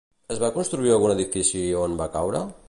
Es va construir algun edifici on va caure?